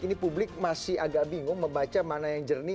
ini publik masih agak bingung membaca mana yang jernih